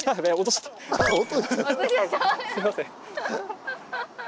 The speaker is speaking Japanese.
すいません。